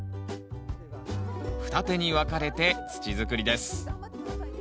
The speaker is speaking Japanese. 二手に分かれて土づくりです